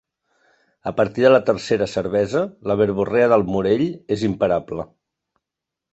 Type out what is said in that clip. A partir de la tercera cervesa la verborrea del Morell és imparable.